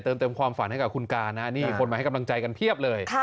เติมเต็มความฝันให้กับคุณการนะนี่คนมาให้กำลังใจกันเพียบเลย